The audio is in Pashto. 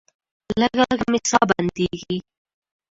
لږه لږه مې ساه بندیږي.